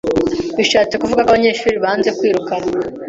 bishatse kuvuga ko abanyeshuri banze kwirukanwa,